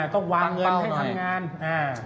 ต้องวางเงินให้ทำงานอ่า